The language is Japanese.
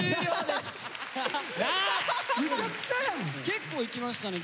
結構いきましたね。